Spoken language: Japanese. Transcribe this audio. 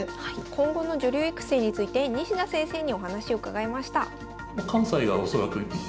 今後の女流育成について西田先生にお話を伺いました。